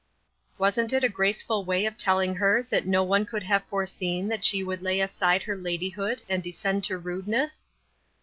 Wasn't it a graceful way of telling her that no one could have foreseen that she would lay aside her ladyhood and descend to rudeness